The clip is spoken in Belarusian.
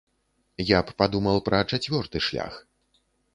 Я б падумаў пра чацвёрты шлях.